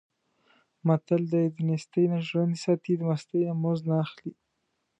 متل دی: دنېستۍ نه ژرنده ساتي، د مستۍ نه مزد نه اخلي.